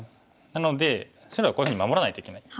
なので白はこういうふうに守らないといけない。